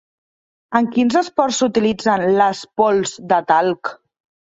En quins esports s'utilitza les pols de talc?